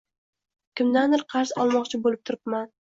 Kimdandir qarz olmoqchi boʻlib turibman.